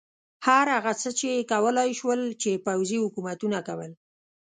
هر هغه څه یې کولای شول چې پوځي حکومتونو کول.